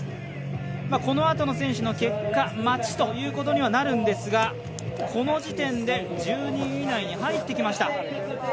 このあとの選手の結果待ちということにはなるんですがこの時点で１２位以内に入ってきました。